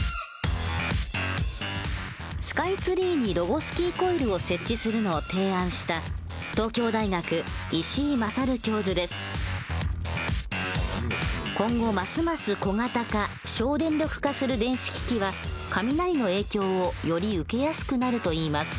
スカイツリーにロゴスキーコイルを設置するのを提案した今後ますます小型化省電力化する電子機器は雷の影響をより受けやすくなると言います。